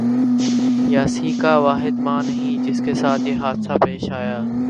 یاسیکا واحد ماں نہیں جس کے ساتھ یہ حادثہ پیش آیا